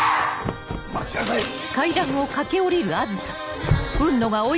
待ちなさい！